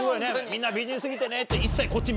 みんな美人過ぎてねってこっち。